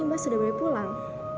mah sudah boleh pulang